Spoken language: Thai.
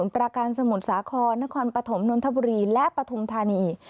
ประการสมุทรสาครนครปฐมนนทบุรีและปฐุมธานี